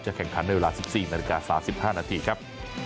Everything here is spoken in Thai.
แข่งขันในเวลา๑๔นาฬิกา๓๕นาทีครับ